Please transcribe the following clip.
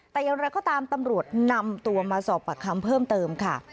แต่อย่างไรก็ตามตำรวจนำตัวมาสอบปากคำเพิ่มเติมค่ะ